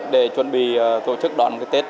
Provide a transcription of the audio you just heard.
để chuẩn bị tổ chức đón cái tết